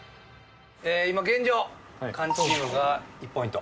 今現状菅チームが１ポイント